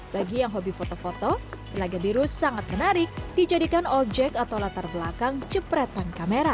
bagi yang hobi foto foto telaga biru sangat menarik dijadikan objek atau latar belakang cepretan kamera